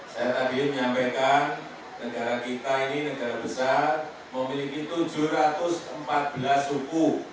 saya tadi menyampaikan negara kita ini negara besar memiliki tujuh ratus empat belas suku